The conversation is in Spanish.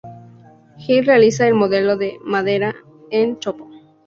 Gil realiza el modelo en madera de chopo.